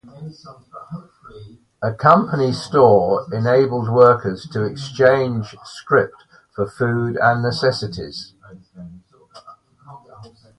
A company store enabled workers to exchange scrip for food and necessities.